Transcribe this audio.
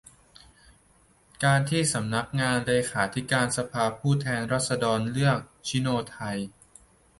การที่สำนักงานเลขาธิการสภาผู้แทนราษฎร เลือก ชิโนไทย